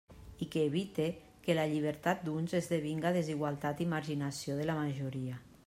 I que evite que la llibertat d'uns esdevinga desigualtat i marginació de la majoria.